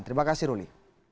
terima kasih ruli